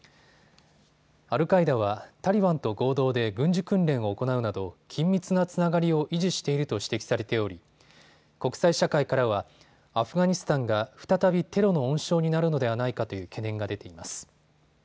アルカイダはタリバンと合同で軍事訓練を行うなど緊密なつながりを維持していると指摘されており国際社会からはアフガニスタンが再びテロの温床になるのではないかという懸念が出ています。